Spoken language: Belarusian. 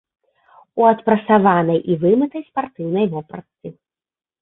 У адпрасаванай і вымытай спартыўнай вопратцы.